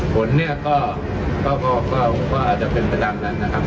ผลเนี่ยก็อาจจะเป็นไปตามนั้นนะครับ